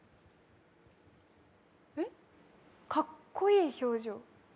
えっ、かっこいい表情？